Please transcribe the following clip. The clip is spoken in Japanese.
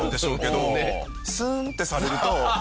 スンってされると。